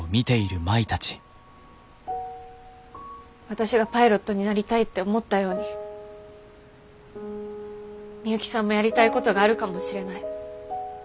私がパイロットになりたいって思ったように美幸さんもやりたいことがあるかもしれない。